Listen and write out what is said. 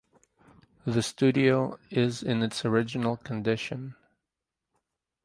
The studio is in its original condition.